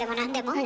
はい。